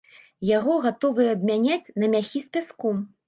Яго гатовыя абмяняць на мяхі з пяском.